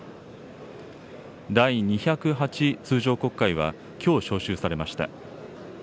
第２０８通常国会は、きょう召集されました。